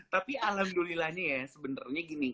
tapi alhamdulillahnya ya sebenarnya gini